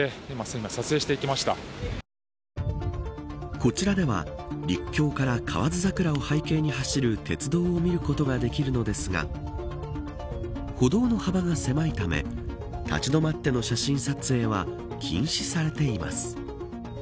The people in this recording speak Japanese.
こちらでは陸橋から河津桜を背景に走る鉄道を見ることができるのですが歩道の幅が狭いため立ち止まっての写真撮影は禁止されています。